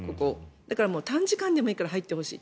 だから、短時間でもいいから入ってほしい。